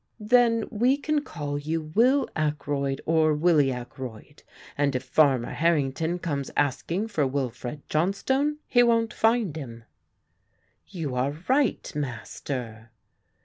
"Then we can call you Will Ackroyd or Willie Ackroyd, and if Farmer Harrington comes asking for Wilfred Johnstone, he won't find him." "You are right, Master."